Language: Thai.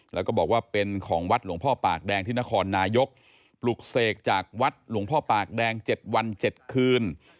แล้วก็บอกว่าเป็นของวัดหลวงพ่อปากแดงที่นครนายกปลุกเสกจากวัดหลวงพ่อปากแดง๗วัน๗คืน